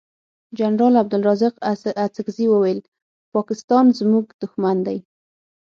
جنرال عبدلرازق اڅګزی وویل پاکستان زمونږ دوښمن دی.